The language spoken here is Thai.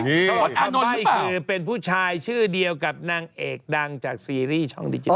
คำบ้ายคือเป็นผู้ชายชื่อเดียวกับนางเอกดังจากซีรีส์ช่องดิจิโต้